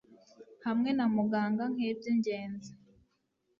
hamwe na muganga nkibyingenzi